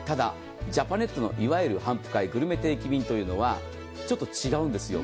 ジャパネットのいわゆる頒布会グルメ定期便というのはちょっと違うんです。